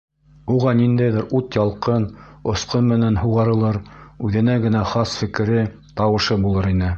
Улар ниндәйҙер ут-ялҡын, осҡон менән һуғарылыр, үҙенә генә хас фекере, тауышы булыр ине.